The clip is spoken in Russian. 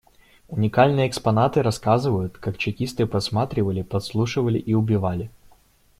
Уникальные экспонаты рассказывают, как чекисты подсматривали, подслушивали и убивали.